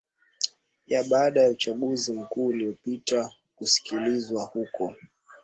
ya baada ya uchaguzi mkuu uliopita kusikilizwa huko